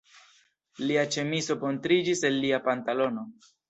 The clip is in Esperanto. Lia ĉemizo montriĝis el lia pantalono.